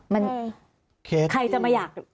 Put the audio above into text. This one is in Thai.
มันใครจะมาอยาก